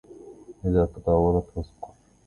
إذا تطاولت فاذكر